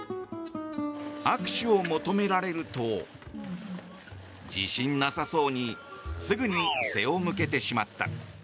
握手を求められると自信なさそうにすぐに背を向けてしまった。